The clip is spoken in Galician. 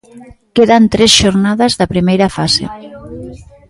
Quedan tres xornadas da primeira fase.